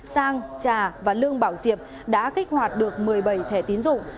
sang trà và lương bảo diệp đã kích hoạt được một mươi bảy thẻ tín dụng